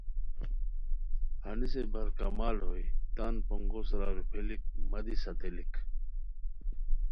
ہنیسے بر کمال ہوئے تان پونگو سورا روپھلیک مہ دی ساتیلیک